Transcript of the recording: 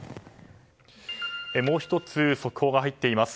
もう１つ、速報が入っています。